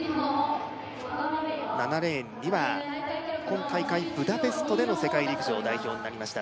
７レーンには今大会ブダペストでの世界陸上代表になりました